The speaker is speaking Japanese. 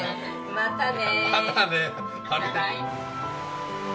またね。